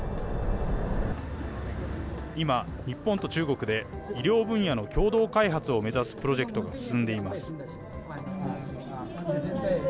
今、日本と中国で医療分野の共同開発を目指すプロジェクトが進んでいます。